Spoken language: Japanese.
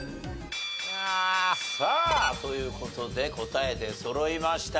さあという事で答え出そろいました。